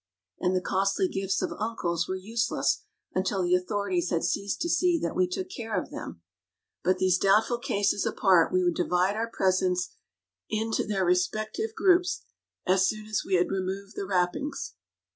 And the costly gifts of uncles were useless until the authorities had ceased to see that we took care of them. But these doubtful cases apart, we would divide our presents into their respective groups as soon as we had removed the wrappings.